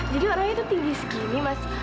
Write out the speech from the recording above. jadi orangnya tuh tinggi segini mas